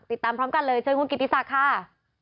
ติดตามพร้อมกันเลยเชิญคุณกิติศักดิ์ค่ะ